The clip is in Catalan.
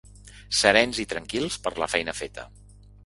Serens i tranquils per la feina feta.